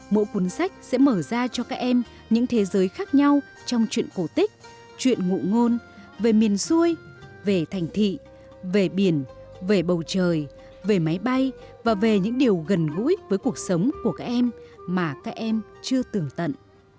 mỗi cuốn sách sẽ mở ra cho các em những thế giới khác nhau trong chuyện cổ tích chuyện ngụ ngôn về miền xuôi về thành thị về biển về bầu trời về máy bay và về những điều gần gũi với cuộc sống của các em mà các em chưa tưởng tận